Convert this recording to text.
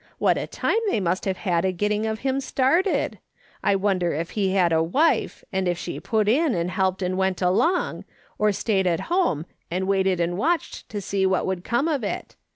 What a time they must have had a get ting of him started ! I wonder if he had a wife, and if she put in and helped and went along, or stayed at home and waited and watched to see what would come of it